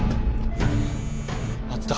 あった。